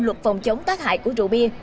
luật phòng chống tác hại của rượu bia